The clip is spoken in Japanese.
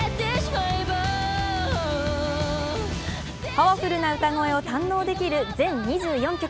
パワフルな歌声を堪能できる全２４曲。